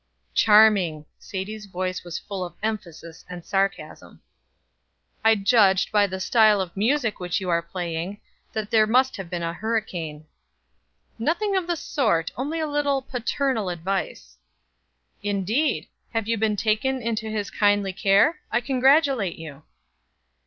"Charming." Sadie's voice was full of emphasis and sarcasm. "I judged, by the style of music which you were playing, that there must have been a hurricane." "Nothing of the sort; only a little paternal advice." "Indeed! Have you been taken into his kindly care? I congratulate you."